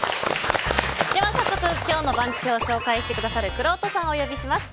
早速今日の番付を紹介してくださるくろうとさんをお呼びします。